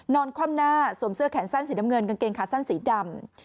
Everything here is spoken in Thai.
คว่ำหน้าสวมเสื้อแขนสั้นสีน้ำเงินกางเกงขาสั้นสีดำ